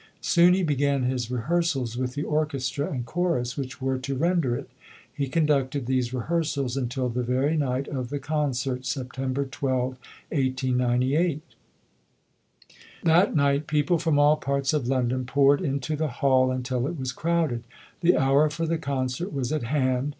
Soon he began his rehearsals with the orchestra and chorus which were to render it. He conducted these rehearsals until the very night of the concert, September 12, 1898. That night people from all parts of London poured into the hall until it was crowded. The hour for the concert was at hand.